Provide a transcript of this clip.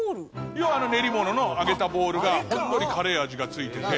要はあの練り物の揚げたボールがほんのりカレー味が付いてて。